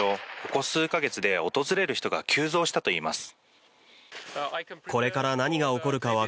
ここ数か月で訪れる人が急増したといいます。